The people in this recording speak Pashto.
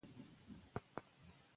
شفاف پالیسي د باور فضا جوړوي.